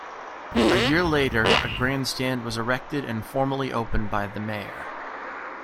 A year later a grandstand was erected and formally opened by the Mayor.